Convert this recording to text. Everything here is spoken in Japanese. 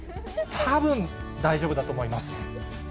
たぶん、大丈夫だと思います。